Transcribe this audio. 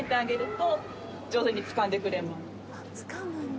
つかむんだ。